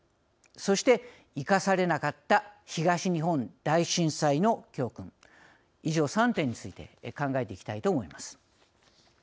そしていかされなかった東日本大震災の教訓以上、３点について考えていきたいと思います。